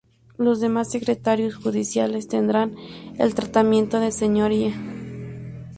Los demás Secretarios Judiciales tendrán el tratamiento de Señoría.